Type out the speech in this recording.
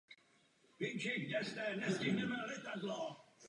Srážky jsou vyrovnané v průběhu celého roku.